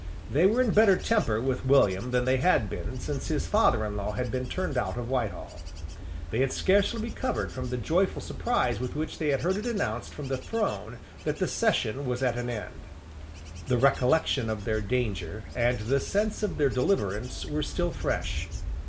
They were in better temper with William than they had been since his father in law had been turned out of Whitehall. They had scarcely recovered from the joyful surprise with which they had heard it announced from the throne that the session was at an end. The recollection of their danger and the sense of their deliverance were still fresh.